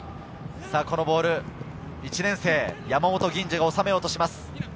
このボール、１年生・山本吟侍が収めようとします。